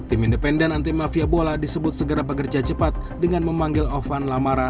tim independen dan tim mafia bola disebut segera pekerja cepat dengan memanggil ofan lamara